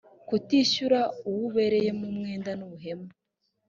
kutishyura uwo ubereyemo umwenda ni ubuhemu